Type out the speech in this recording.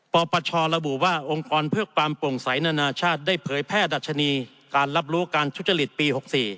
ปปชระบุว่าองค์กรเพื่อความโปร่งใสนานาชาติได้เผยแพร่ดัชนีการรับรู้การทุจริตปี๖๔